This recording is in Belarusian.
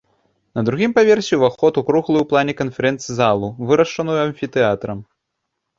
На другім паверсе ўваход у круглую ў плане канферэнц-залу, вырашаную амфітэатрам.